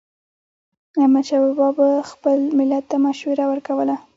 احمدشاه بابا به خپل ملت ته مشوره ورکوله.